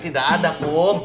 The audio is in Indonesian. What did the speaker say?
tidak ada kum